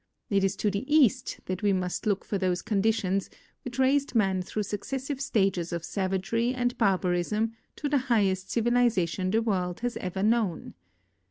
It is to the east that we must look for those conditions, which raised man through suc cessive stages of savagery and barbarism to the highest civiliza tion the world has ever known.